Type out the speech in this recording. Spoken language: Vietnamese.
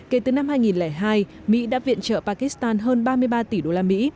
kể từ năm hai nghìn hai mỹ đã viện trợ pakistan hơn ba mươi ba tỷ đô la mỹ